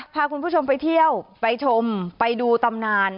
พาคุณผู้ชมไปเที่ยวไปชมไปดูตำนาน